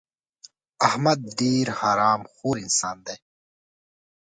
احمد ډېر حرام خور انسان دی.